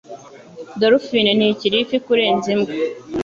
Dolphine ntikiri ifi kurenza imbwa.